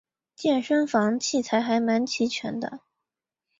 健身房器材还蛮齐全的